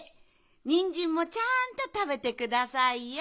ニンジンもちゃんとたべてくださいよ。